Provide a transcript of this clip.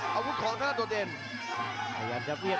ประโยชน์ทอตอร์จานแสนชัยกับยานิลลาลีนี่ครับ